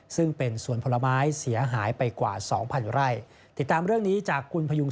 ซึ่งเป็นสวนพลไม้เสียหายไปกว่า๒๐๐๐วิร่าย